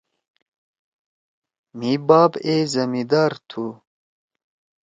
مھی باپ اے زمیِدار تُھو۔